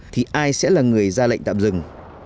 thì ai sẽ là người ra lệnh tạm dừng